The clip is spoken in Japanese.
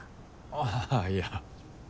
ああいや。